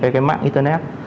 cái mạng internet